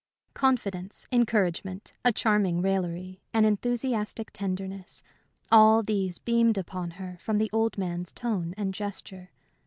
Confidence, encouragement, a charming raillery, an enthusiastic tenderness all these beamed upon her from the old man's tone and gesture.